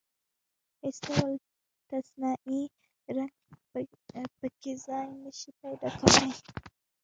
هېڅ ډول تصنعي رنګ په کې ځای نشي پيدا کولای.